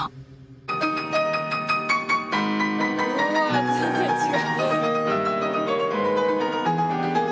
うわ全然違う。